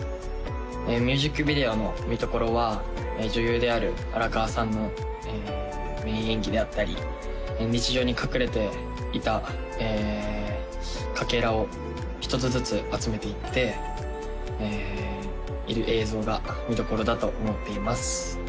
ミュージックビデオの見どころは女優である荒川さんの名演技であったり日常に隠れていたかけらを一つずつ集めていっている映像が見どころだと思っています